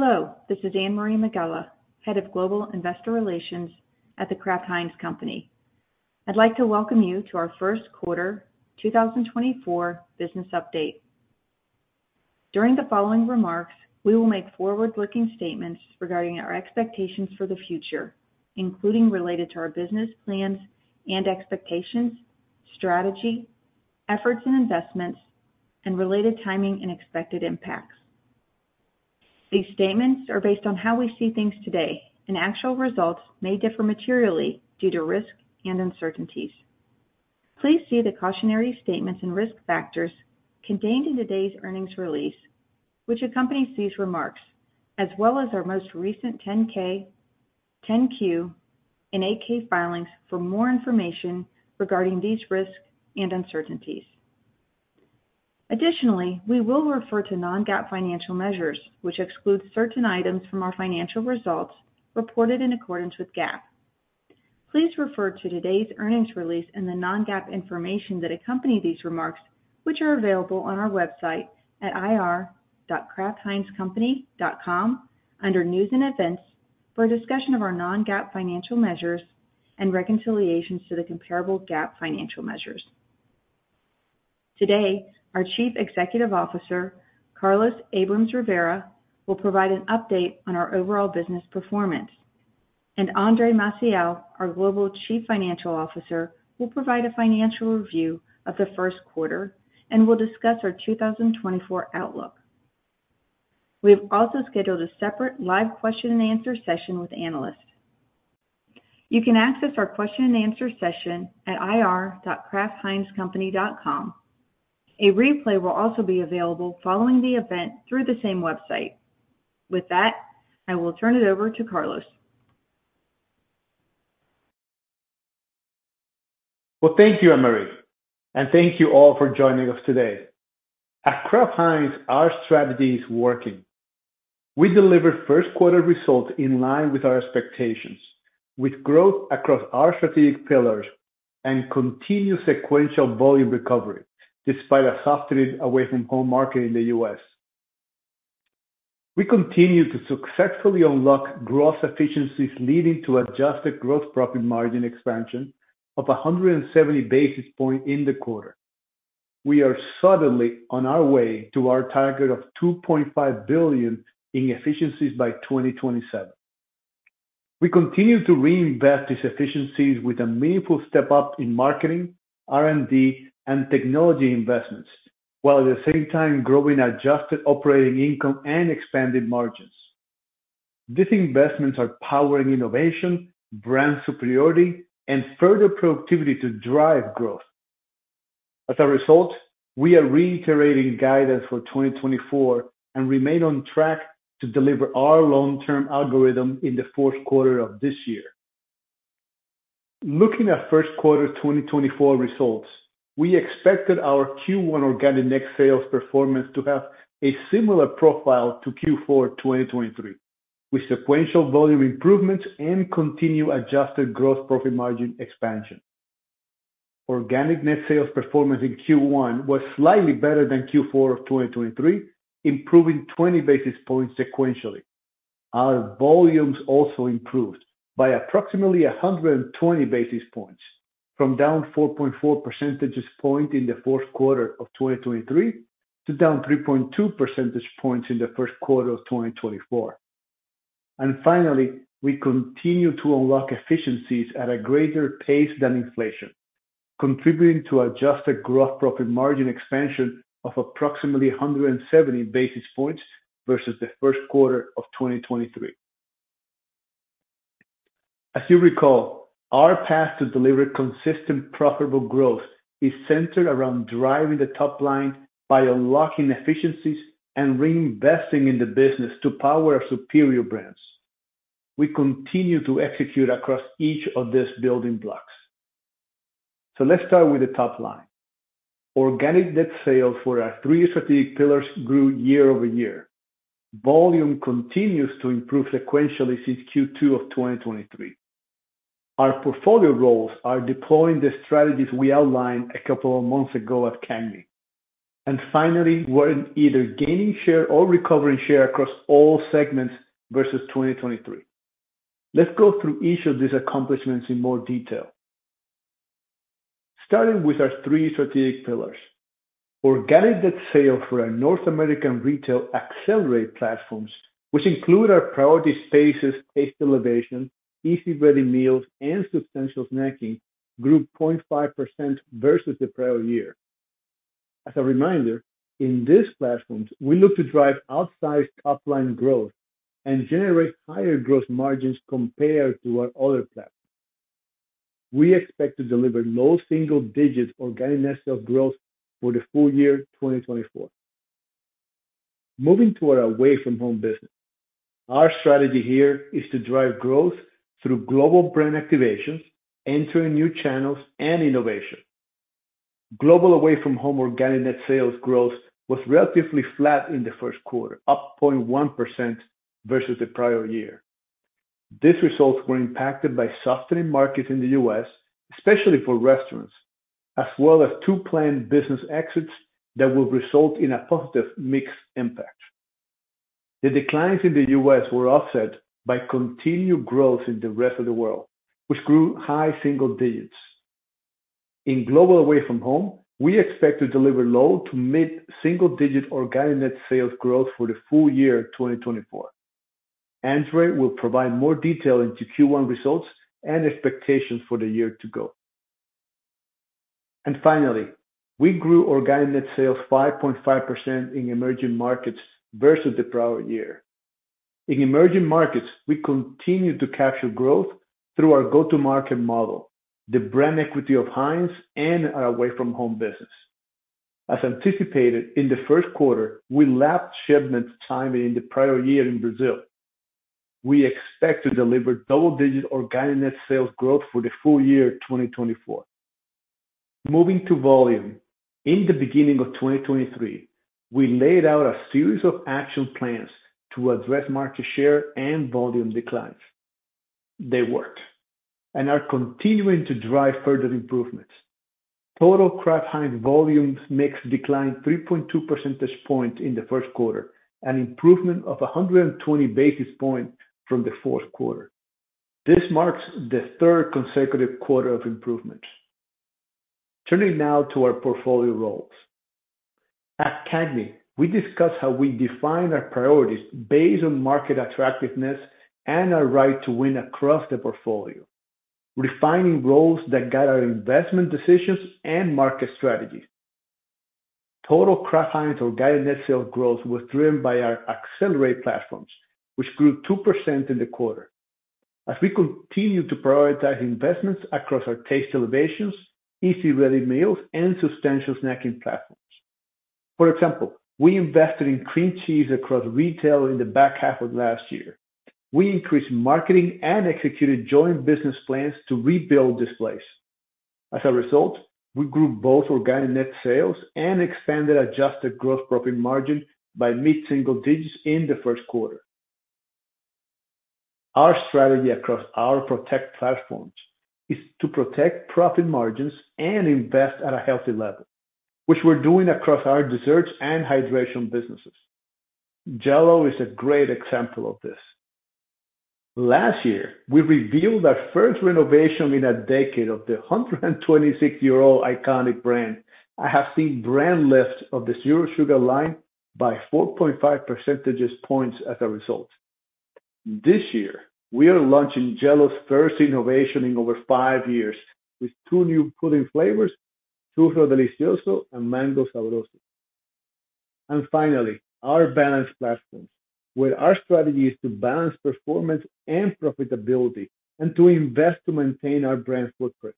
Hello, this is Anne-Marie Megela, Head of Global Investor Relations at The Kraft Heinz Company. I'd like to welcome you to our First Quarter 2024 Business Update. During the following remarks, we will make forward-looking statements regarding our expectations for the future, including related to our business plans and expectations, strategy, efforts and investments, and related timing and expected impacts. These statements are based on how we see things today, and actual results may differ materially due to risk and uncertainties. Please see the cautionary statements and risk factors contained in today's earnings release, which accompanies these remarks, as well as our most recent 10-K, 10-Q, and 8-K filings for more information regarding these risks and uncertainties. Additionally, we will refer to non-GAAP financial measures, which exclude certain items from our financial results reported in accordance with GAAP. Please refer to today's earnings release and the non-GAAP information that accompany these remarks, which are available on our website at ir.kraftheinzcompany.com under News and Events, for a discussion of our non-GAAP financial measures and reconciliations to the comparable GAAP financial measures. Today, our Chief Executive Officer, Carlos Abrams-Rivera, will provide an update on our overall business performance, and Andre Maciel, our Global Chief Financial Officer, will provide a financial review of the first quarter and will discuss our 2024 outlook. We have also scheduled a separate live question-and-answer session with analysts. You can access our question-and-answer session at ir.kraftheinzcompany.com. A replay will also be available following the event through the same website. With that, I will turn it over to Carlos. Well, thank you, Anne-Marie, and thank you all for joining us today. At Kraft Heinz, our strategy is working. We delivered first quarter results in line with our expectations, with growth across our strategic pillars and continued sequential volume recovery, despite a softer Away From Home market in the U.S. We continue to successfully unlock growth efficiencies, leading to Adjusted Gross Profit margin expansion of 100 basis points in the quarter. We are solidly on our way to our target of $2.5 billion in efficiencies by 2027. We continue to reinvest these efficiencies with a meaningful step up in marketing, R&D, and technology investments, while at the same time growing Adjusted Operating Income and expanding margins. These investments are powering innovation, brand superiority, and further productivity to drive growth. As a result, we are reiterating guidance for 2024 and remain on track to deliver our long-term algorithm in the fourth quarter of this year. Looking at first quarter 2024 results, we expected our Q1 organic net sales performance to have a similar profile to Q4 2023, with sequential volume improvements and continued Adjusted Gross Profit margin expansion. Organic net sales performance in Q1 was slightly better than Q4 of 2023, improving 20 basis points sequentially. Our volumes also improved by approximately 120 basis points, from down 4.4 percentage points in the fourth quarter of 2023, to down 3.2 percentage points in the first quarter of 2024. And finally, we continue to unlock efficiencies at a greater pace than inflation, contributing to Adjusted Gross Profit Margin expansion of approximately 170 basis points versus the first quarter of 2023. As you recall, our path to deliver consistent profitable growth is centered around driving the top line by unlocking efficiencies and reinvesting in the business to power our superior brands. We continue to execute across each of these building blocks. Let's start with the top line. Organic Net Sales for our three strategic pillars grew YoY. Volume continues to improve sequentially since Q2 of 2023. Our portfolio roles are deploying the strategies we outlined a couple of months ago at CAGNY. And finally, we're either gaining share or recovering share across all segments versus 2023. Let's go through each of these accomplishments in more detail. Starting with our three strategic pillars. Organic net sales for our North American retail Accelerate platforms, which include our priority spaces, Taste Elevation, Easy Ready Meals, and Substantial Snacking, grew 0.5% versus the prior year. As a reminder, in these platforms, we look to drive outsized top-line growth and generate higher gross margins compared to our other platforms. We expect to deliver low single digits organic net sales growth for the full year 2024. Moving to our Away From Home business. Our strategy here is to drive growth through global brand activations, entering new channels, and innovation. Global Away From Home organic net sales growth was relatively flat in the first quarter, up 0.1% versus the prior year.... These results were impacted by softening markets in the U.S., especially for restaurants, as well as two planned business exits that will result in a positive mix impact. The declines in the U.S. were offset by continued growth in the rest of the world, which grew high single digits. In global Away From Home, we expect to deliver low to mid-single digit organic net sales growth for the full year 2024. Andre will provide more detail into Q1 results and expectations for the year to go. And finally, we grew organic net sales 5.5% in Emerging Markets versus the prior year. In Emerging Markets, we continued to capture growth through our go-to-market model, the brand equity of Heinz, and our Away From Home business. As anticipated, in the first quarter, we lapped shipments timing in the prior year in Brazil. We expect to deliver double-digit organic net sales growth for the full year 2024. Moving to volume, in the beginning of 2023, we laid out a series of action plans to address market share and volume declines. They worked and are continuing to drive further improvements. Total Kraft Heinz volumes mix declined 3.2 percentage points in the first quarter, an improvement of 120 basis points from the fourth quarter. This marks the third consecutive quarter of improvements. Turning now to our portfolio roles. At CAGNY, we discussed how we define our priorities based on market attractiveness and our right to win across the portfolio, refining roles that guide our investment decisions and market strategies. Total Kraft Heinz organic net sales growth was driven by our Accelerate platforms, which grew 2% in the quarter. As we continue to prioritize investments across our Taste Elevation, Easy Ready Meals, and Substantial Snacking platforms. For example, we invested in cream cheese across retail in the back half of last year. We increased marketing and executed joint business plans to rebuild displays. As a result, we grew both organic net sales and expanded Adjusted Gross Profit margin by mid-single digits in the first quarter. Our strategy across our Protect platforms is to protect profit margins and invest at a healthy level, which we're doing across our desserts and hydration businesses. Jell-O is a great example of this. Last year, we revealed our first renovation in a decade of the 126-year-old iconic brand. I have seen brand lift of the zero sugar line by 4.5 percentage points as a result. This year, we are launching Jell-O's first innovation in over five years, with two new pudding flavors, Churro Delicioso and Mango Sabroso. And finally, our Balance platform, where our strategy is to balance performance and profitability and to invest to maintain our brand footprint.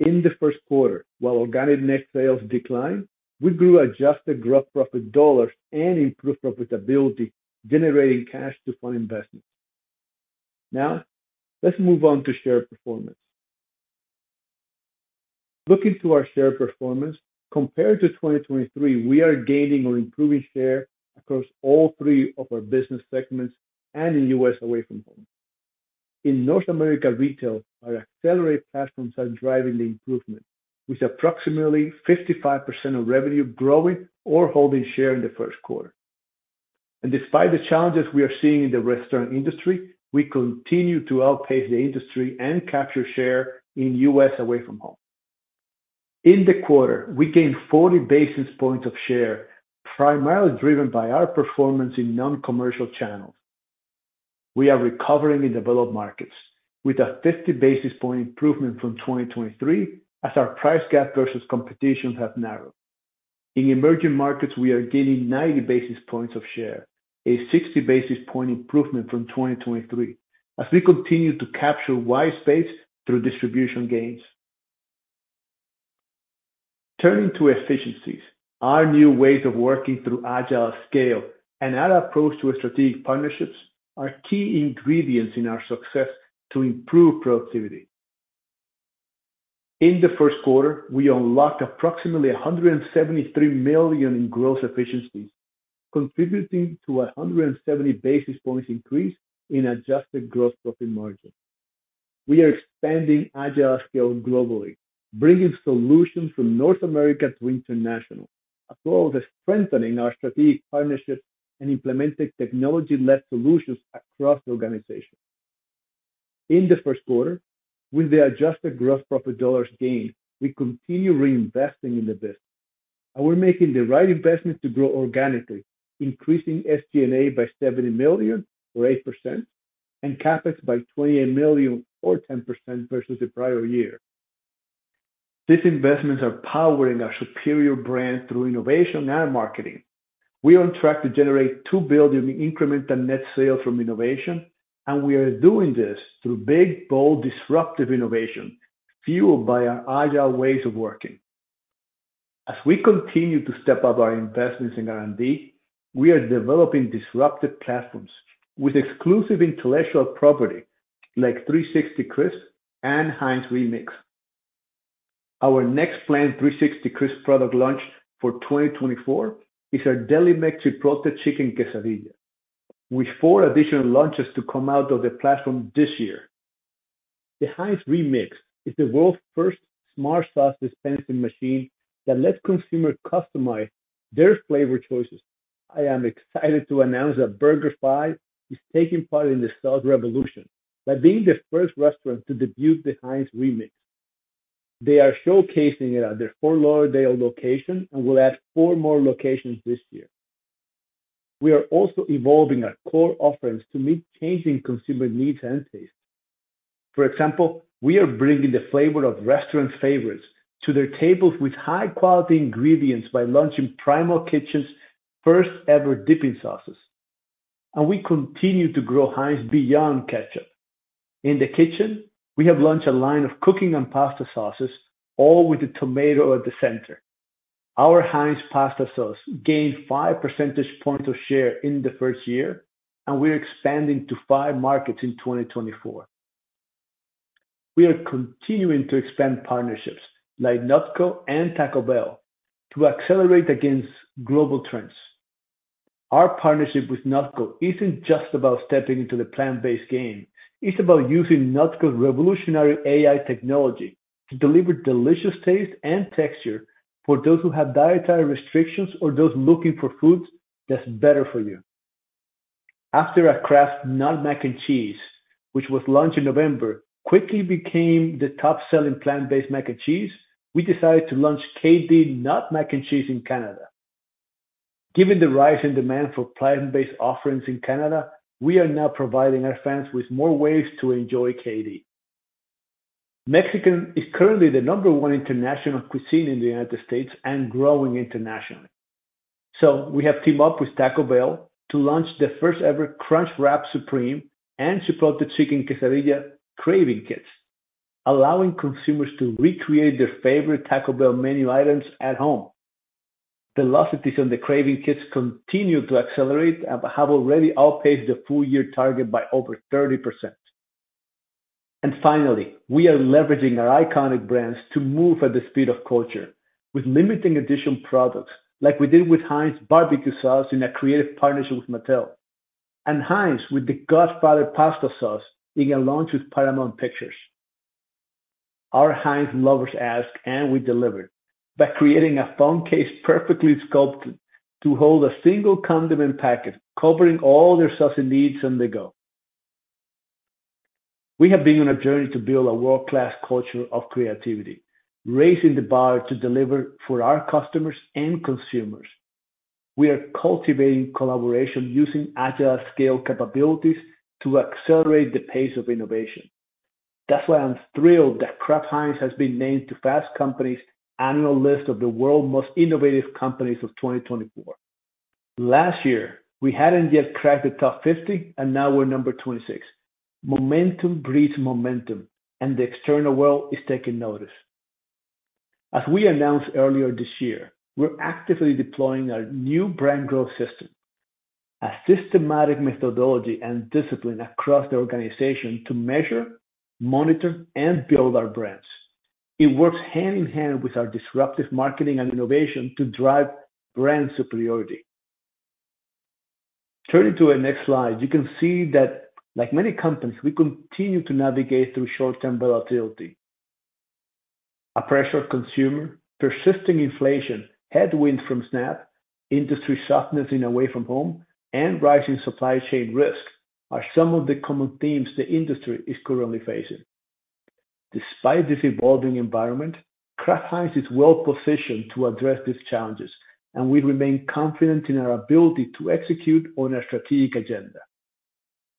In the first quarter, while organic net sales declined, we grew Adjusted Gross Profit dollars and improved profitability, generating cash to fund investments. Now, let's move on to share performance. Looking to our share performance, compared to 2023, we are gaining or improving share across all three of our business segments and in U.S. Away From Home. In North America Retail, our Accelerate platforms are driving the improvement, with approximately 55% of revenue growing or holding share in the first quarter. Despite the challenges we are seeing in the restaurant industry, we continue to outpace the industry and capture share in U.S. Away From Home. In the quarter, we gained 40 basis points of share, primarily driven by our performance in non-commercial channels. We are recovering in developed markets with a 50 basis point improvement from 2023, as our price gap versus competition have narrowed. In Emerging Markets, we are gaining 90 basis points of share, a 60 basis point improvement from 2023, as we continue to capture white space through distribution gains. Turning to efficiencies, our new ways of working through Agile@Scale and our approach to strategic partnerships are key ingredients in our success to improve productivity. In the first quarter, we unlocked approximately $173 million in gross efficiencies, contributing to a 170 basis points increase in Adjusted Gross Profit margin. We are expanding Agile@Scale globally, bringing solutions from North America to international, as well as strengthening our strategic partnerships and implementing technology-led solutions across the organization. In the first quarter, with the Adjusted Gross Profit dollars gained, we continue reinvesting in the business, and we're making the right investments to grow organically, increasing SG&A by $70 million or 8%, and CapEx by $28 million or 10% versus the prior year. These investments are powering our superior brand through innovation and marketing. We are on track to generate $2 billion in incremental net sales from innovation, and we are doing this through big, bold, disruptive innovation, fueled by our agile ways of working. As we continue to step up our investments in R&D, we are developing disruptive platforms with exclusive intellectual property like 360CRISP and Heinz Remix. Our next planned 360CRISP product launch for 2024 is our Delimex Chipotle Chicken Quesadilla, with 4 additional launches to come out of the platform this year. The Heinz Remix is the world's first smart sauce dispensing machine that lets consumers customize their flavor choices. I am excited to announce that BurgerFi is taking part in the sauce revolution by being the first restaurant to debut the Heinz Remix. They are showcasing it at their Fort Lauderdale location and will add 4 more locations this year. We are also evolving our core offerings to meet changing consumer needs and tastes. For example, we are bringing the flavor of restaurant favorites to their tables with high-quality ingredients by launching Primal Kitchen's first-ever dipping sauces, and we continue to grow Heinz beyond ketchup. In the kitchen, we have launched a line of cooking and pasta sauces, all with the tomato at the center. Our Heinz Pasta Sauce gained 5 percentage points of share in the first year, and we're expanding to 5 markets in 2024. We are continuing to expand partnerships like NotCo and Taco Bell to accelerate against global trends. Our partnership with NotCo isn't just about stepping into the plant-based game, it's about using NotCo's revolutionary AI technology to deliver delicious taste and texture for those who have dietary restrictions or those looking for foods that's better for you. After our Kraft NotMac&Cheese, which was launched in November, quickly became the top-selling plant-based mac and cheese, we decided to launch KD NotMac&Cheese in Canada. Given the rise in demand for plant-based offerings in Canada, we are now providing our fans with more ways to enjoy KD. Mexican is currently the number one international cuisine in the United States and growing internationally. So we have teamed up with Taco Bell to launch the first-ever Crunchwrap Supreme and Chipotle Chicken Quesadilla Cravings Kits, allowing consumers to recreate their favorite Taco Bell menu items at home. Velocities on the Cravings Kits continue to accelerate and have already outpaced the full year target by over 30%. And finally, we are leveraging our iconic brands to move at the speed of culture with limited additional products, like we did with Heinz Barbiecue sauce in a creative partnership with Mattel, and Heinz with The Godfather Pasta Sauce in a launch with Paramount Pictures. Our Heinz lovers ask, and we deliver, by creating a phone case perfectly sculpted to hold a single condiment packet, covering all their saucy needs on the go. We have been on a journey to build a world-class culture of creativity, raising the bar to deliver for our customers and consumers. We are cultivating collaboration using Agile@Scale capabilities to accelerate the pace of innovation. That's why I'm thrilled that Kraft Heinz has been named to Fast Company's annual list of the world's most innovative companies of 2024. Last year, we hadn't yet cracked the top 50, and now we're number 26. Momentum breeds momentum, and the external world is taking notice. As we announced earlier this year, we're actively deploying our new Brand Growth System, a systematic methodology and discipline across the organization to measure, monitor, and build our brands. It works hand in hand with our disruptive marketing and innovation to drive brand superiority. Turning to the next slide, you can see that, like many companies, we continue to navigate through short-term volatility. A pressured consumer, persisting inflation, headwind from SNAP, industry softness in Away From Home, and rising supply chain risk are some of the common themes the industry is currently facing. Despite this evolving environment, Kraft Heinz is well positioned to address these challenges, and we remain confident in our ability to execute on our strategic agenda.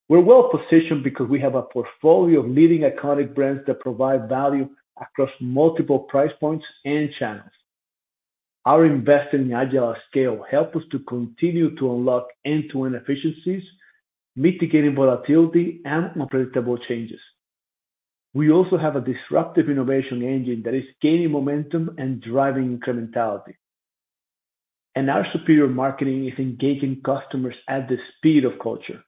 We're well positioned because we have a portfolio of leading iconic brands that provide value across multiple price points and channels. Our investment in Agile@Scale help us to continue to unlock end-to-end efficiencies, mitigating volatility and unpredictable changes. We also have a disruptive innovation engine that is gaining momentum and driving incrementality. Our superior marketing is engaging customers at the speed of culture.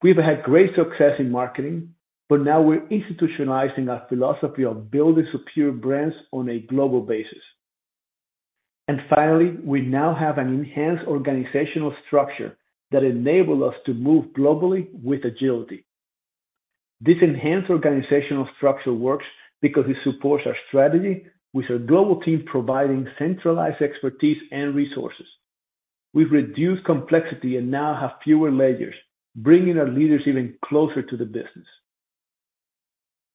We've had great success in marketing, but now we're institutionalizing our philosophy of building superior brands on a global basis. Finally, we now have an enhanced organizational structure that enable us to move globally with agility. This enhanced organizational structure works because it supports our strategy with our global team providing centralized expertise and resources. We've reduced complexity and now have fewer layers, bringing our leaders even closer to the business.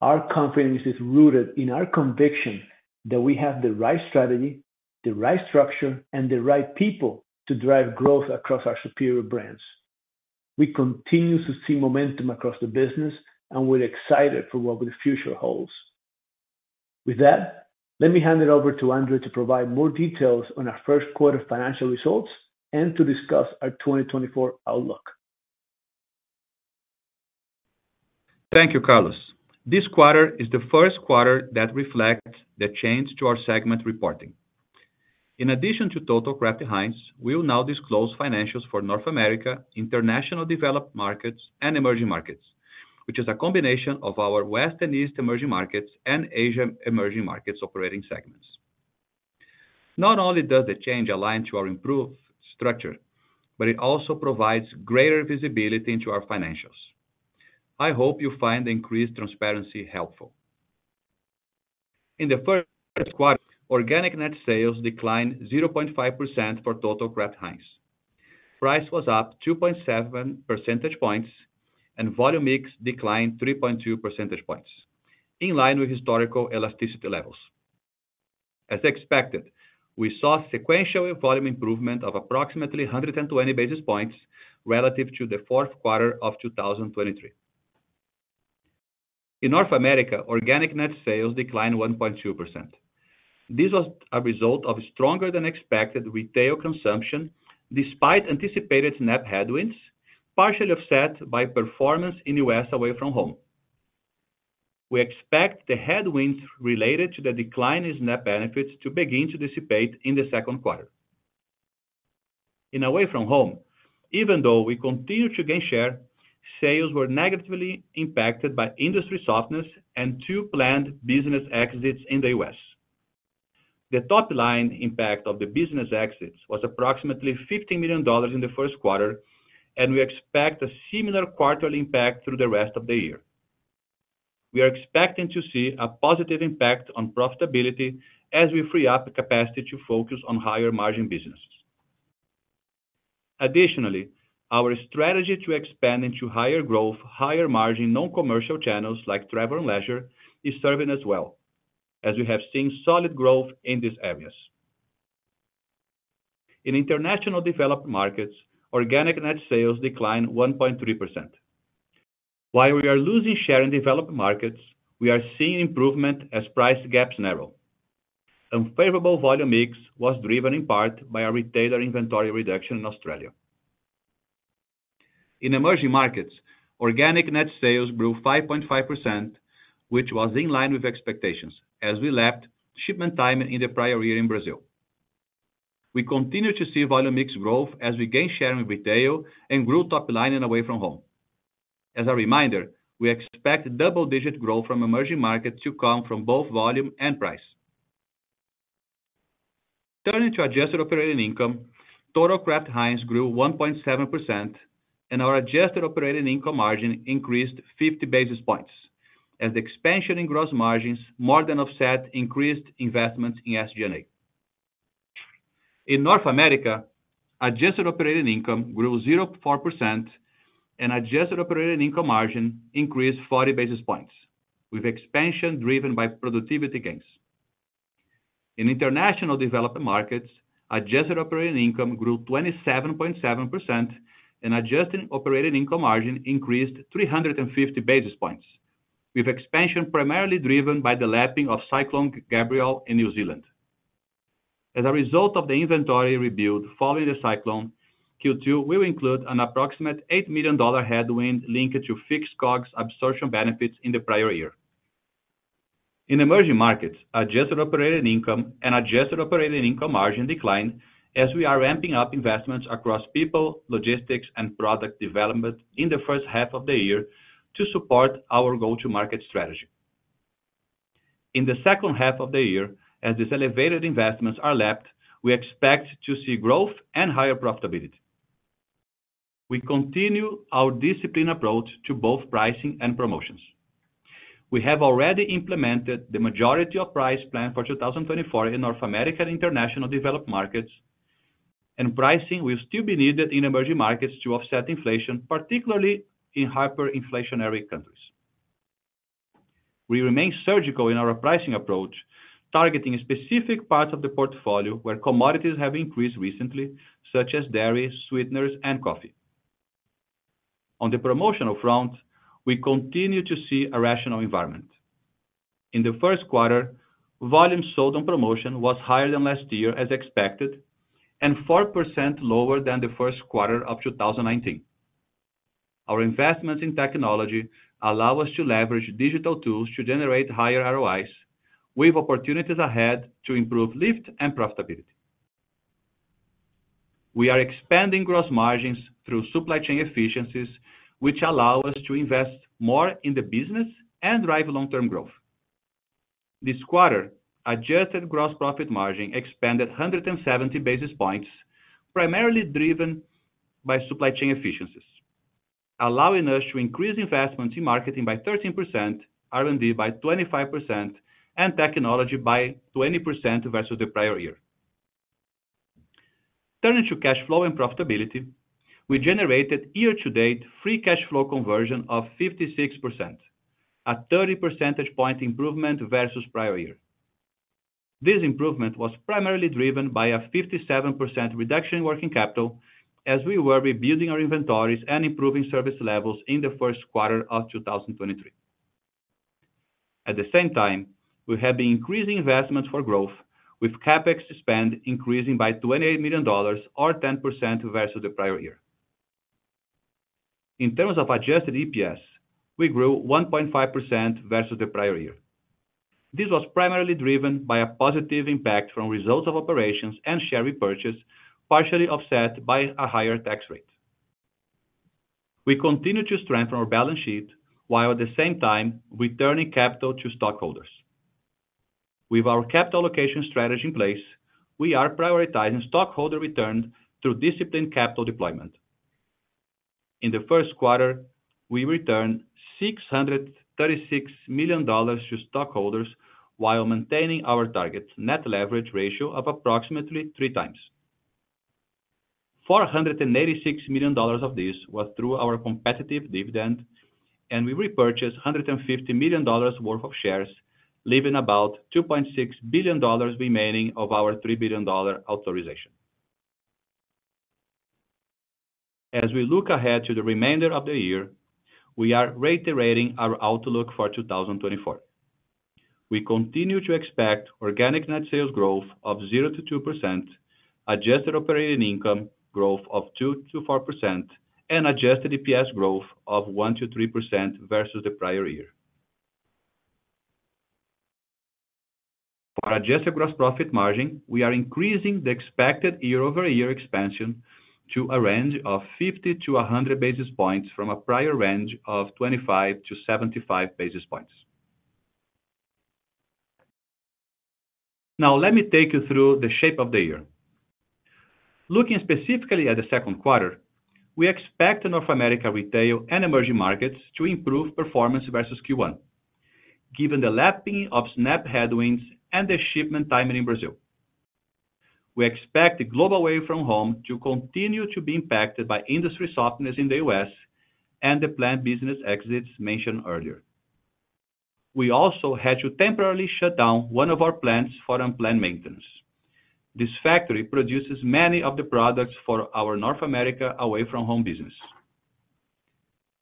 Our confidence is rooted in our conviction that we have the right strategy, the right structure, and the right people to drive growth across our superior brands. We continue to see momentum across the business, and we're excited for what the future holds. With that, let me hand it over to Andre to provide more details on our first quarter financial results and to discuss our 2024 outlook. Thank you, Carlos. This quarter is the first quarter that reflects the change to our segment reporting. In addition to total Kraft Heinz, we will now disclose financials for North America, International Developed Markets, and Emerging Markets, which is a combination of our West and East Emerging Markets and Asia Emerging Markets operating segments. Not only does the change align to our improved structure, but it also provides greater visibility into our financials. I hope you find the increased transparency helpful. In the first quarter, organic net sales declined 0.5% for total Kraft Heinz. Price was up 2.7 percentage points, and volume mix declined 3.2 percentage points, in line with historical elasticity levels. As expected, we saw sequential volume improvement of approximately 120 basis points relative to the fourth quarter of 2023. In North America, organic net sales declined 1.2%. This was a result of stronger than expected retail consumption, despite anticipated SNAP headwinds, partially offset by performance in U.S. Away From Home. We expect the headwinds related to the decline in SNAP benefits to begin to dissipate in the second quarter. In Away From Home, even though we continued to gain share, sales were negatively impacted by industry softness and two planned business exits in the U.S. The top line impact of the business exits was approximately $50 million in the first quarter, and we expect a similar quarterly impact through the rest of the year. We are expecting to see a positive impact on profitability as we free up capacity to focus on higher margin businesses. Additionally, our strategy to expand into higher growth, higher margin, non-commercial channels like travel and leisure, is serving us well, as we have seen solid growth in these areas. In International Developed Markets, organic net sales declined 1.3%. While we are losing share in developed markets, we are seeing improvement as price gaps narrow. Unfavorable volume mix was driven in part by a retailer inventory reduction in Australia. In Emerging Markets, organic net sales grew 5.5%, which was in line with expectations as we lapped shipment timing in the prior year in Brazil. We continue to see volume mix growth as we gain share in retail and grew top line and Away From Home. As a reminder, we expect double-digit growth from Emerging Markets to come from both volume and price. Turning to Adjusted Operating Income, total Kraft Heinz grew 1.7%, and our Adjusted Operating Income margin increased 50 basis points, as expansion in gross margins more than offset increased investments in SG&A. In North America, Adjusted Operating Income grew 0.4%, and Adjusted Operating Income margin increased 40 basis points, with expansion driven by productivity gains. In International Developed Markets, Adjusted Operating Income grew 27.7%, and Adjusted Operating Income margin increased 350 basis points, with expansion primarily driven by the lapping of Cyclone Gabrielle in New Zealand. As a result of the inventory rebuild following the cyclone, Q2 will include an approximate $8 million headwind linked to fixed COGS absorption benefits in the prior year. In Emerging Markets, Adjusted Operating Income and Adjusted Operating Income Margin declined as we are ramping up investments across people, logistics, and product development in the first half of the year to support our go-to-market strategy. In the second half of the year, as these elevated investments are lapped, we expect to see growth and higher profitability. We continue our disciplined approach to both pricing and promotions. We have already implemented the majority of price plan for 2024 in North America and International Developed Markets, and pricing will still be needed in Emerging Markets to offset inflation, particularly in hyperinflationary countries. We remain surgical in our pricing approach, targeting specific parts of the portfolio where commodities have increased recently, such as dairy, sweeteners, and coffee. On the promotional front, we continue to see a rational environment. In the first quarter, volume sold on promotion was higher than last year, as expected, and 4% lower than the first quarter of 2019. Our investments in technology allow us to leverage digital tools to generate higher ROIs, with opportunities ahead to improve lift and profitability. We are expanding gross margins through supply chain efficiencies, which allow us to invest more in the business and drive long-term growth. This quarter, Adjusted Gross Profit margin expanded 170 basis points, primarily driven by supply chain efficiencies, allowing us to increase investments in marketing by 13%, R&D by 25%, and technology by 20% versus the prior year. Turning to cash flow and profitability, we generated year-to-date free cash flow conversion of 56%, a 30 percentage point improvement versus prior year. This improvement was primarily driven by a 57% reduction in working capital as we were rebuilding our inventories and improving service levels in the first quarter of 2023. At the same time, we have been increasing investments for growth, with CapEx spend increasing by $28 million or 10% versus the prior year. In terms of Adjusted EPS, we grew 1.5% versus the prior year. This was primarily driven by a positive impact from results of operations and share repurchase, partially offset by a higher tax rate. We continue to strengthen our balance sheet, while at the same time returning capital to stockholders. With our capital allocation strategy in place, we are prioritizing stockholder return through disciplined capital deployment. In the first quarter, we returned $636 million to stockholders while maintaining our target net leverage ratio of approximately 3x. $486 million of this was through our competitive dividend, and we repurchased 150 million dollars worth of shares, leaving about $2.6 billion remaining of our $3 billion authorization. As we look ahead to the remainder of the year, we are reiterating our outlook for 2024. We continue to expect organic net sales growth of 0%-2%, Adjusted Operating Income growth of 2%-4%, and Adjusted EPS growth of 1%-3% versus the prior year. For Adjusted Gross Profit margin, we are increasing the expected year-over-year expansion to a range of 50-100 basis points from a prior range of 25-75 basis points. Now, let me take you through the shape of the year. Looking specifically at the second quarter, we expect North America Retail and Emerging Markets to improve performance versus Q1, given the lapping of SNAP headwinds and the shipment timing in Brazil. We expect the global Away From Home to continue to be impacted by industry softness in the U.S. and the planned business exits mentioned earlier. We also had to temporarily shut down one of our plants for unplanned maintenance. This factory produces many of the products for our North America Away From Home business.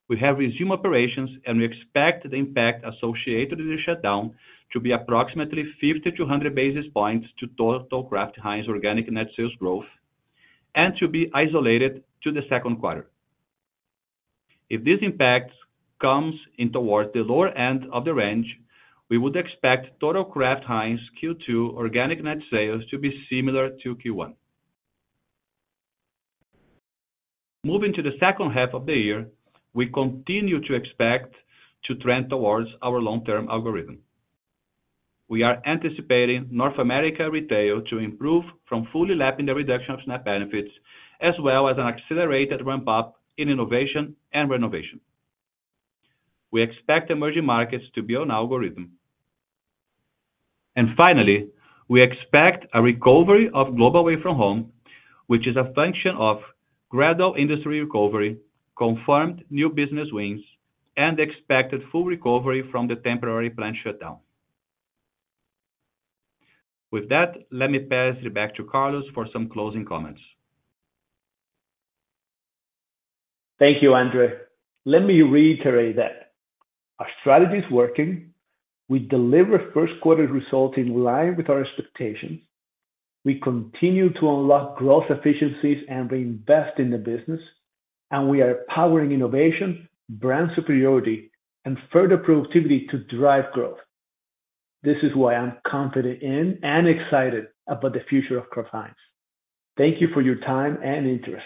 We have resumed operations, and we expect the impact associated with the shutdown to be approximately 50-100 basis points to total Kraft Heinz organic net sales growth and to be isolated to the second quarter. If this impact comes in towards the lower end of the range, we would expect total Kraft Heinz Q2 organic net sales to be similar to Q1. Moving to the second half of the year, we continue to expect to trend towards our long-term algorithm. We are anticipating North America Retail to improve from fully lapping the reduction of SNAP benefits, as well as an accelerated ramp-up in innovation and renovation. We expect Emerging Markets to be on algorithm. And finally, we expect a recovery of global Away From Home, which is a function of gradual industry recovery, confirmed new business wins, and expected full recovery from the temporary plant shutdown. With that, let me pass it back to Carlos for some closing comments. Thank you, Andre. Let me reiterate that our strategy is working. We delivered first quarter results in line with our expectations. We continue to unlock growth efficiencies and reinvest in the business, and we are powering innovation, brand superiority, and further productivity to drive growth. This is why I'm confident in and excited about the future of Kraft Heinz. Thank you for your time and interest.